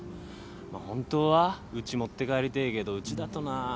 まっ本当はうち持って帰りてえけどうちだとな。